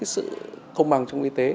sự không bằng trong y tế